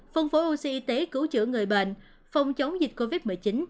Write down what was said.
phân phối oxy y tế cứu chữa người bệnh phòng chống dịch covid một mươi chín